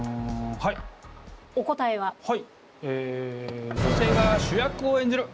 はいええ「女性が主役を演じる」。